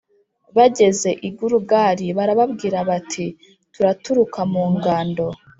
Bageze i Gilugali barababwira bati Turaturuka mu ngando